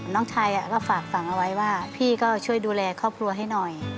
น้องชายก็ฝากฝังเอาไว้ว่าพี่ก็ช่วยดูแลครอบครัวให้หน่อย